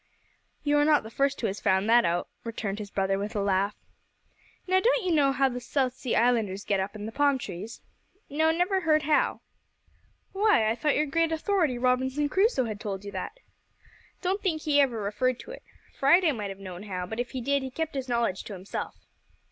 "You are not the first who has found that out," returned his brother, with a laugh. "Now, don't you know how the South Sea islanders get up the palm trees?" "No; never heard how." "Why, I thought your great authority Robinson Crusoe had told you that." "Don't think he ever referred to it. Friday may have known how, but if he did, he kept his knowledge to himself."